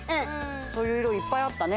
そういういろいっぱいあったね。